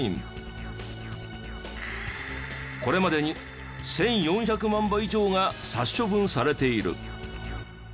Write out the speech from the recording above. これまでに１４００万羽以上が殺処分されている。